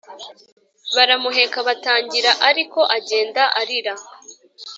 baramuheka batangira ariko agenda arira